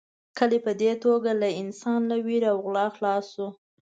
کلی په دې توګه له انسان له وېرې او غلا خلاص شو.